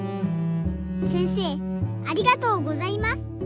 せんせいありがとうございます。